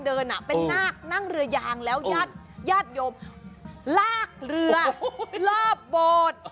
เป็นนาคนั่งเรือยางแล้วญาติโยมลากเรือรอบโบสถ์